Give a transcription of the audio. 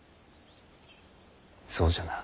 そうじゃな。